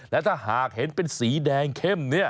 และถ้าหากเห็นเป็นสีแดงเข้มเนี่ย